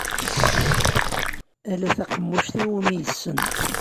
Ala taqemmuc iwumi yessen.